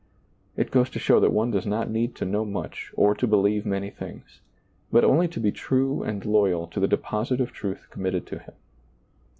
It goes to show that one does not need to know much or to believe many things, but only to be true and loyal to the deposit of truth committed to him.